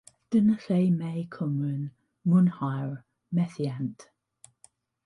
Dyna lle mae Cymru'n mwynhau'r meddiant.